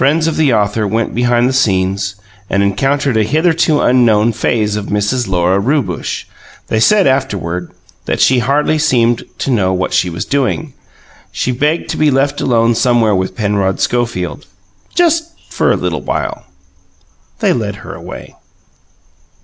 Friends of the author went behind the scenes and encountered a hitherto unknown phase of Mrs. Lora Rewbush; they said, afterward, that she hardly seemed to know what she was doing. She begged to be left alone somewhere with Penrod Schofield, for just a little while. They led her away.